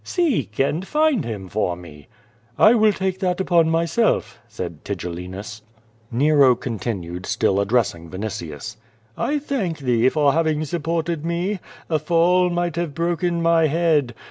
"Seek, and find him for me." "I will take that upon myself," said Tigellinus. Nero continued still addressing Vinitius. "I thank thee for having supported me. A fall might have broken my head.